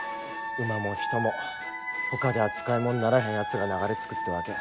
馬も人もほかでは使いもんにならへんやつらが流れつくってわけや。